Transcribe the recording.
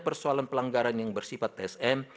persoalan pelanggaran yang bersifat tsm